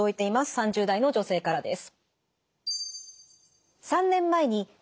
３０代の女性からです。